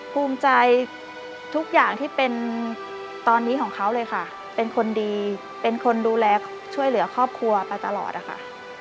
ภูมิใจทุกอย่างที่เป็นตอนนี้ของเขาเลยค่ะเป็นคนดีเป็นคนดูแลช่วยเหลือครอบครัวไปตลอดอะค่ะ